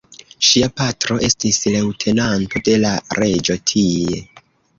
Ŝia patro estis leŭtenanto de la reĝo tie.